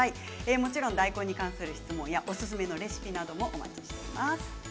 もちろん大根に関する質問やおすすめのレシピなどもお待ちしています。